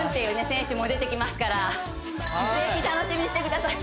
選手も出てきますからぜひ楽しみにしてください